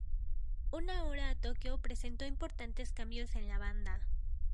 Una hora a Tokyo presentó importantes cambios en la banda.